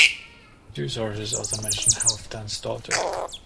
Two sources also mention Halfdan's daughter.